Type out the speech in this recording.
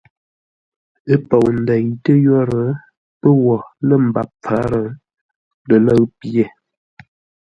Ə́ pou ndeitə́ yórə́, pə́ wo lə̂ mbap mpfarə́, lələʉ pye.